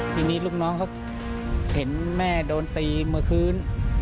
ทีนี้ลูกน้องเขาเห็นแม่โดนตีเมื่อคืน